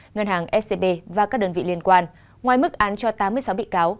ngân hàng scb và các đơn vị liên quan ngoài mức án cho tám mươi sáu bị cáo